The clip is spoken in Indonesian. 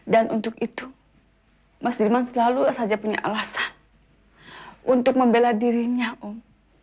dan untuk itu mas diriman selalu saja punya alasan untuk membela dirinya om